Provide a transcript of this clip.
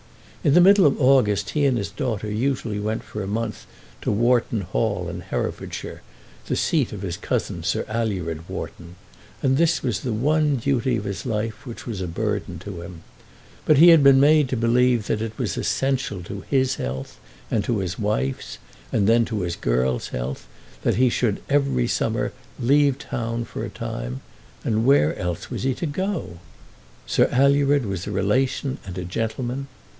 In the middle of August he and his daughter usually went for a month to Wharton Hall in Herefordshire, the seat of his cousin Sir Alured Wharton; and this was the one duty of his life which was a burthen to him. But he had been made to believe that it was essential to his health, and to his wife's, and then to his girl's health, that he should every summer leave town for a time, and where else was he to go? Sir Alured was a relation and a gentleman.